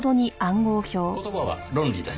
言葉は論理です。